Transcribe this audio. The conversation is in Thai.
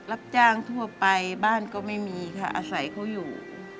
รับจ้างทั่วไปบ้านก็ไม่มีค่ะอาศัยเขาอยู่